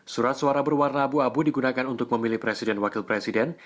surat suara berwarna abu abu digunakan untuk memilih presiden wakil presiden